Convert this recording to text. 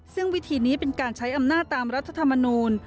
ซึ่งวิธีนี้เป็นการใช้อำนาจตามรัฐธรรมนูล